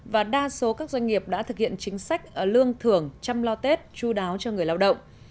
và đa số các doanh nghiệp đã thực hiện chính sách lương thưởng chăm lo tết chú đáo cho người lao động